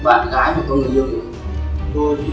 bạn thân hỏa thì có một người bạn gái và một người yêu